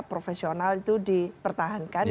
profesional itu dipertahankan